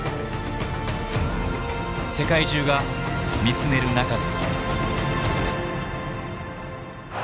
世界中が見つめる中で。